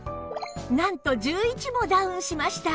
なんと１１もダウンしました